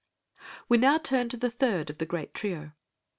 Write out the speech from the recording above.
We now turn to the third of the great trio.